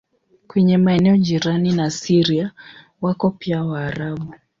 Kwenye maeneo jirani na Syria wako pia Waarabu.